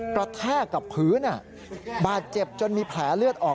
แทกกับพื้นบาดเจ็บจนมีแผลเลือดออก